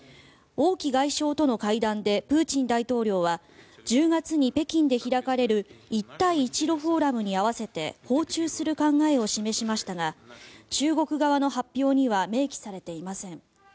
王毅外相との会談でプーチン大統領は１０月に北京で開かれる一帯一路フォーラムに合わせて訪中する考えを示しましたが中国側の発表には明記されていません。